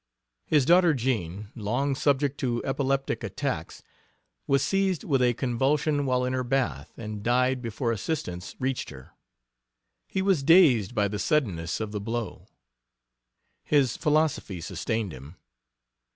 His daughter Jean, long subject to epileptic attacks, was seized with a convulsion while in her bath and died before assistance reached her. He was dazed by the suddenness of the blow. His philosophy sustained him.